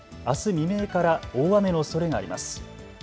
未明から大雨のおそれがあります。